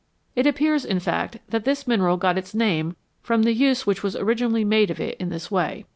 It appears, in fact, that this mineral got its name from the use which was originally made of it in this way.